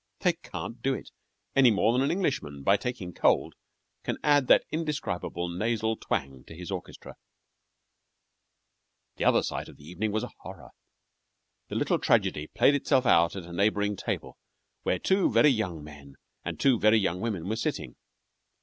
They can't do it, any more than an Englishman, by taking cold, can add that indescribable nasal twang to his orchestra. The other sight of the evening was a horror. The little tragedy played itself out at a neighboring table where two very young men and two very young women were sitting.